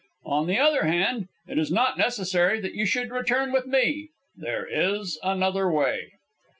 "On the other hand, it is not necessary that you should return with me. There is another way."